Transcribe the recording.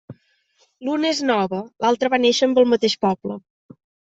L'una és nova, l'altra va néixer amb el mateix poble.